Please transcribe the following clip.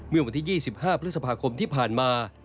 เมื่อวันที่๒๕พฤษภาคมที่ผ่านมา